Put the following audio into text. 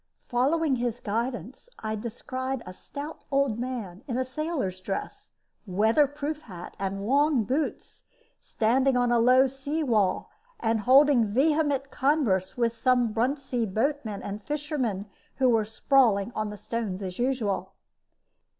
Following his guidance, I descried a stout old man, in a sailor's dress, weather proof hat, and long boots, standing on a low seawall, and holding vehement converse with some Bruntsea boatmen and fishermen who were sprawling on the stones as usual.